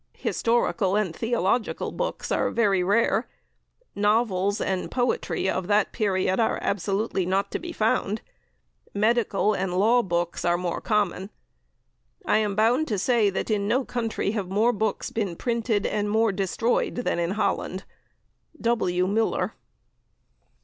Historical and theological books are very rare; novels and poetry of that period are absolutely not to be found; medical and law books are more common. I am bound to say that in no country have more books been printed and more destroyed than in Holland. W. MULLER."